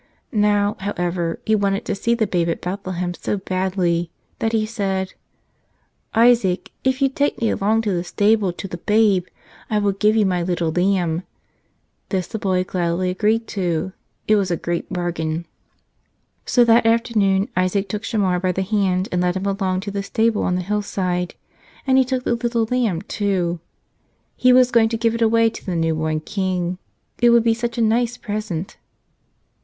Now, how¬ ever, he wanted to see the Babe at Bethlehem so badly that he said, "Isaac, if you take me along to the stable, to the Babe, I will give you my little lamb." This the boy gladly agreed to; it was a great bargain. So that afternoon Isaac took Shamar by the hand and led him along to the stable on the hillside. And he took the little lamb, too. He was going to give it away to the new born King. It would be such a nice present.